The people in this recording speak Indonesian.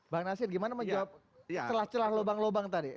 bang nasir gimana menjawab celah celah lubang lubang tadi